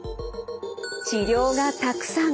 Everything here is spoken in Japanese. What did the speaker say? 治療がたくさん。